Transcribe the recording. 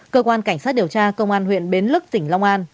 cơ quan cảnh sát điều tra công an huyện bến lức tỉnh long an